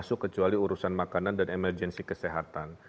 masuk kecuali urusan makanan dan emergensi kesehatan